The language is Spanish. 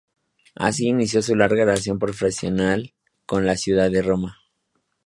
Así inició su larga relación profesional con la ciudad de Roma.